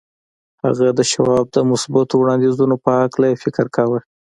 هغه د شواب د مثبتو وړانديزونو په هکله يې فکر کاوه.